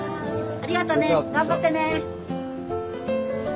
ありがとね頑張ってね。